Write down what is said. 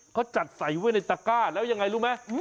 เขาจัดใส่ไว้ในตะก้าแล้วยังไงรู้ไหม